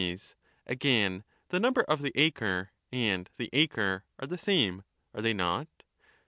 Again, the Yiumber of the acre and the acre are the same ; are they not